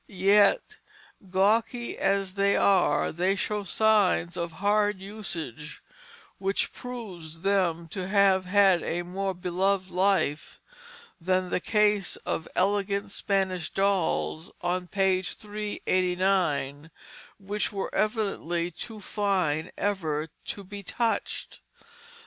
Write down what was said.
Yet gawky as they are, they show signs of hard usage, which proves them to have had a more beloved life than the case of elegant Spanish dolls, on page 389, which were evidently too fine ever to be touched.